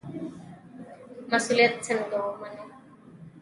مسوولیت څنګه ومنو؟